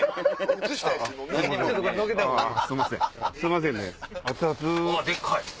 うわでっかい！